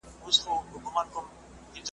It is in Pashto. نه ځنګل نه شنه واښه نه شنه بېدیا وه ,